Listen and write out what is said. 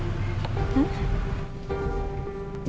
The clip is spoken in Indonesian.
lu ngapain kesini